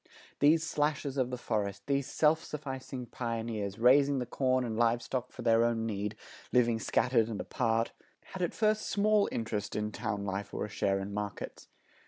These slashers of the forest, these self sufficing pioneers, raising the corn and live stock for their own need, living scattered and apart, had at first small interest in town life or a share in markets.